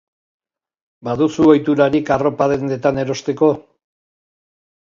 Baduzu ohiturarik arropa dendetan erosteko?